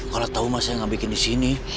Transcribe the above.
kalau tau masa yang bikin disini